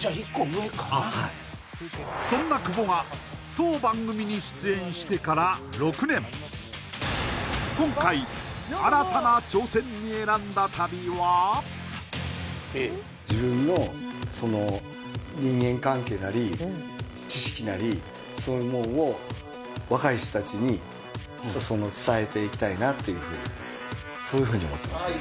１個上かそんな久保が当番組に出演してから６年今回新たな挑戦に選んだ旅は自分の人間関係なり知識なりそういうもんをなっていうふうにそういうふうに思ってますね